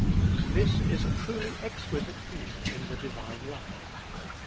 This is a truly exquisite feature in the divine life.